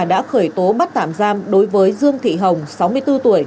đã khởi tố bắt tạm giam đối với dương thị hồng sáu mươi bốn tuổi